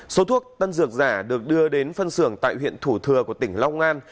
số thuốc tân dược giả được đưa đến phân xưởng tại huyện thủ thừa của tỉnh long an